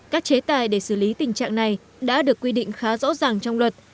các chế tài để xử lý tình trạng này đã được quy định khá rõ ràng trong luật